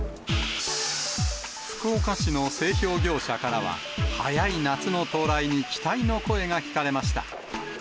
福岡市の製氷業者からは、早い夏の到来に期待の声が聞かれました。